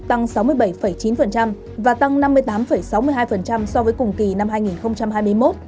tăng sáu mươi bảy chín và tăng năm mươi tám sáu mươi hai so với cùng kỳ năm hai nghìn hai mươi một